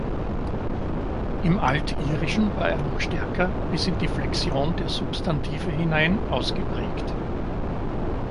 Im Altirischen war er noch stärker, bis in die Flexion der Substantive hinein, ausgeprägt.